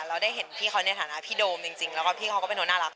เราได้เห็นพี่เขาในฐานะพี่โดมจริงแล้วก็พี่เขาก็เป็นคนน่ารัก